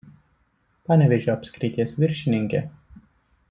Panevėžio apskrities viršininkė.